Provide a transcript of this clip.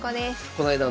こないだ